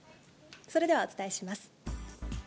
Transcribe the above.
それではお伝えします。